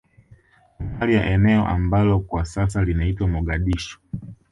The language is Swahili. Somalia eneo ambalo kwa sasa linaitwa Mogadishu